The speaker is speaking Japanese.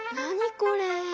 これ。